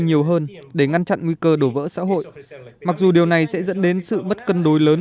nhiều hơn để ngăn chặn nguy cơ đổ vỡ xã hội mặc dù điều này sẽ dẫn đến sự mất cân đối lớn